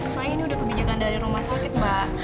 soalnya ini udah kebijakan dari rumah sakit mbak